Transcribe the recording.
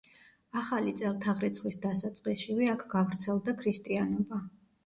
ახალი წელთაღრიცხვის დასაწყისშივე აქ გავრცელდა ქრისტიანობა.